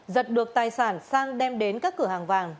giật được tài sản sang đem đến các cửa hàng vàng